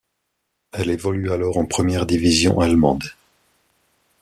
Elle évolue alors en première division allemande.